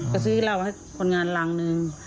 ก็ซื้อเหล้าให้คนงานรังหนึ่ง